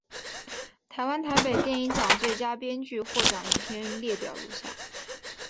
台湾台北电影奖最佳编剧获奖影片列表如下。